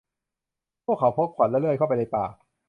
พวกเขาพกขวานและเลื่อยเข้าไปในป่า